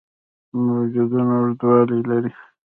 موجونه اوږدوالي لري.